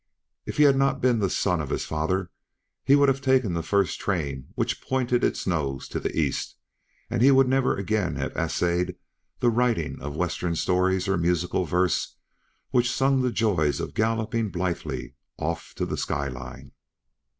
If he had not been the son of his father, he would have taken the first train which pointed its nose to the East, and he would never again have essayed the writing of Western stories or musical verse which sung the joys of galloping blithely off to the sky line.